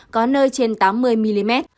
có nơi trên tám mươi mm